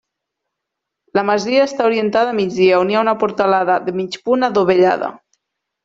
La masia està orientada a migdia, on hi ha una portalada de mig punt adovellada.